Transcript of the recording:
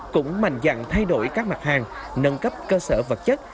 cũng mạnh dạng thay đổi các mặt hàng nâng cấp cơ sở vật chất